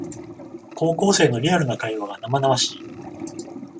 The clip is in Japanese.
高校生のリアルな会話が生々しい